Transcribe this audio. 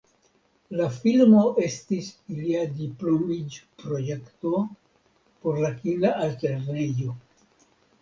La filmo estis ilia diplomiĝprojekto por la kina altlernejo.